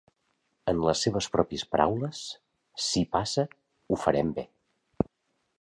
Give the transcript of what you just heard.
En les seves pròpies paraules: "Si passa, ho farem bé".